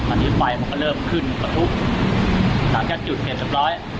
อันนี้ไฟมันก็เริ่มขึ้นประทุหลังจากจุดเสร็จเรียบร้อย